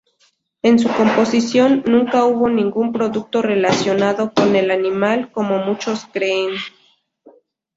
En su composición nunca hubo ningún producto relacionado con el animal, como muchos creen.